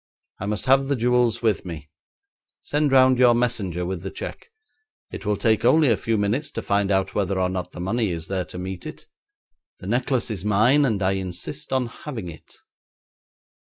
I must have the jewels with me. Send round your messenger with the cheque; it will take only a few minutes to find out whether or not the money is there to meet it. The necklace is mine, and I insist on having it.'